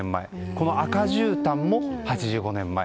この赤じゅうたんも８５年前。